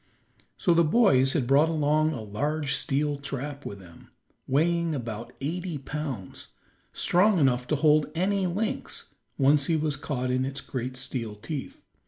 So the boys had brought along a large steel trap with them, weighing about eighty pounds, strong enough to hold any lynx once he was caught in its great steel teeth.